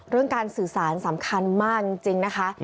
เรื่องการสื่อสารสำคัญมากจริงนะคะ